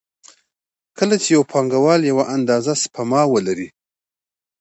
کله چې یو پانګوال یوه اندازه سپما ولري